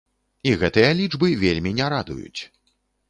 І гэтыя лічбы вельмі не радуюць.